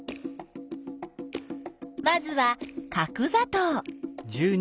まずは角ざとう。